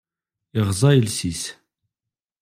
Iɣeẓẓa iles-is.